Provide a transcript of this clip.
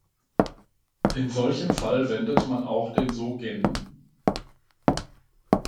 In solchem Fall wendet man auch den sogen.